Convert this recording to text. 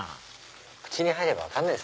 口に入れば分かんないです